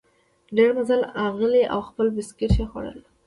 ډېر مزل غلی او خپل بسکیټ یې خوړل.